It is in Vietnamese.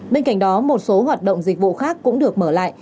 bên cạnh đó một số hoạt động dịch vụ khác cũng được mở lại